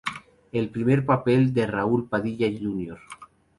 El primer papel de Raúl Padilla Jr.